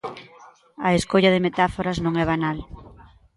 A escolla de metáforas non é banal.